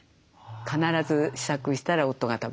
必ず試作したら夫が食べる。